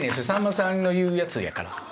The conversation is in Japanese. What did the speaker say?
さんまさんの言うやつやから。